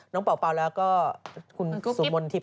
น้องเป่าแล้วก็คุณกุ๊บกิ๊บ